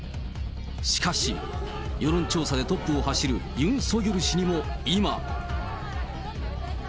しかし、世論調査でトップを走るユン・ソギョル氏にも、今。